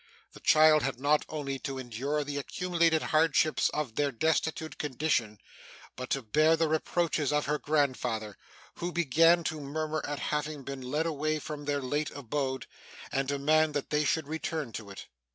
The child had not only to endure the accumulated hardships of their destitute condition, but to bear the reproaches of her grandfather, who began to murmur at having been led away from their late abode, and demand that they should return to it.